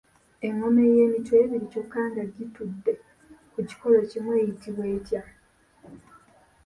Engoma ey’emitwe ebiri kyokka nga gitudde ku kikolo kimu eyitibwa gitya?